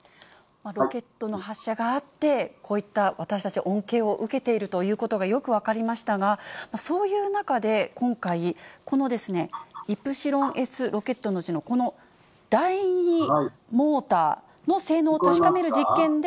ロケットの発射があって、こういった私たち、恩恵を受けているということが、よく分かりましたが、そういう中で、今回、このイプシロンＳロケットのうちのこの第２モーターの性能を確かめる実験で。